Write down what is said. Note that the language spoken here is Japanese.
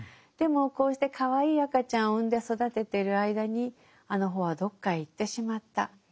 でもこうしてかわいい赤ちゃんを産んで育ててる間にあの帆はどっかへ行ってしまった。